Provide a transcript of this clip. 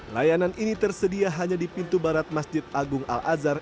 layanan ini tersedia hanya di pintu barat masjid agung al azhar